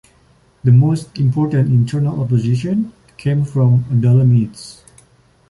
The most important internal opposition came from the Adullamites.